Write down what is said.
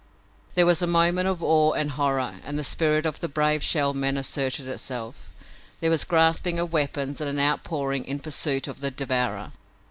There was a moment of awe and horror and then the spirit of the brave Shell Men asserted itself. There was grasping of weapons and an outpouring in pursuit of the devourer.